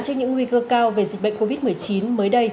trước những nguy cơ cao về dịch bệnh covid một mươi chín mới đây